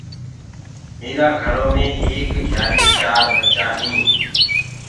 ميرآ گهرو مي ايڪ گهيآري چآر ٻچا هينٚ۔